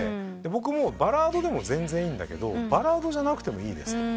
僕もバラードでも全然いいんだけどバラードじゃなくてもいいですと。